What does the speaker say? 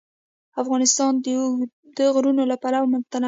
افغانستان د اوږده غرونه له پلوه متنوع دی.